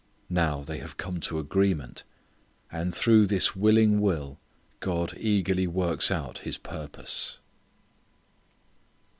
Now they have come to agreement. And through this willing will God eagerly works out His purpose.